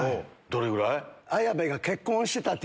どれぐらい？